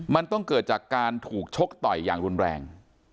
มันต้องเกิดจากการถูกชกต่อยอย่างรุนแรง